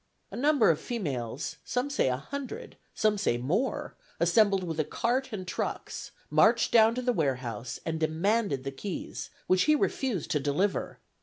A number of females, some say a hundred, some say more, assembled with a cart and trucks, marched down to the warehouse, and demanded the keys, which he refused to deliver.